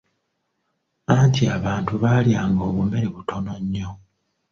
Anti abantu baalyanga obumere butono nnyo.